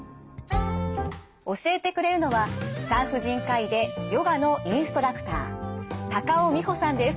教えてくれるのは産婦人科医でヨガのインストラクター高尾美穂さんです。